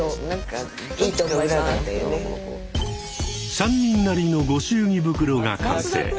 ３人なりの御祝儀袋が完成。